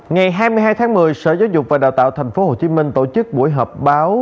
ngày hai mươi hai tháng một mươi sở giáo dục và đào tạo tp hcm tổ chức buổi họp báo